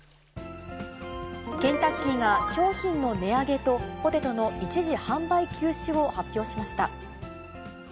ケンタッキーが商品の値上げと、ポテトの一時販売休止を発表しました。